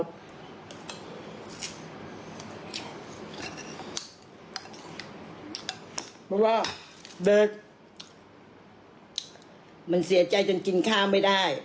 บอกว่าเบิร์ดมันเสียใจจนกินข้าวไม่ได้